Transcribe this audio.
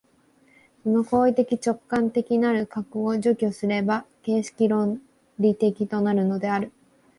その行為的直観的なる核を除去すれば形式論理的となるのである。